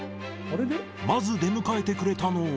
まず出迎えてくれたのは。